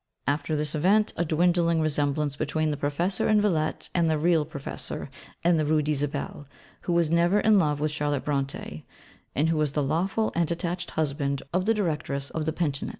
After this event, a dwindling resemblance between the Professor in Villette, and the real Professor in the Rue d'Isabelle, who was never in love with Charlotte Brontë, and who was the lawful and attached husband of the Directress of the Pensionnat.